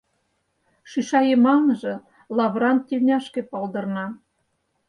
Шӱша йымалныже лавыран тельняшке палдырна.